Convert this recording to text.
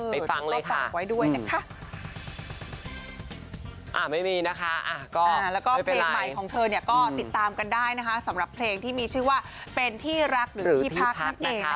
ไปฟังเลยค่ะไม่มีนะคะไม่เป็นไรแล้วก็เพลงใหม่ของเธอเนี่ยก็ติดตามกันได้นะคะสำหรับเพลงที่มีชื่อว่าเป็นที่รักหรือที่พักนักเด็กนะคะ